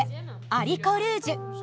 アリコルージュ。